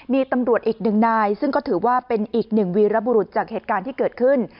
มีตำรวจอีกหนึ่งนายซึ่งก็ถือว่าเป็นอีกหนึ่งวีรบุรุษจากเหตุการณ์ที่เกิดขึ้น